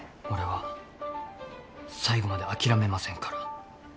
俺は最後まで諦めませんから。